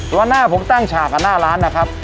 วันหน้าผมตั้งฉากกับหน้าร้านนะครับ